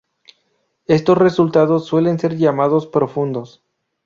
Estos resultados suelen ser llamados profundos.